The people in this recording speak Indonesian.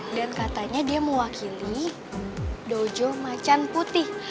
dan katanya dia mau wakili dojo macan putih